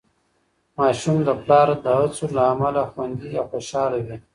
ماشومان د پلار د هڅو له امله خوندي او خوشحال وي.